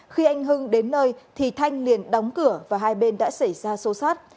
khi anh hưng đến nơi thì thanh liền đóng cửa và hai bên đã xảy ra xô xát